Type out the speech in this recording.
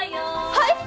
はい！？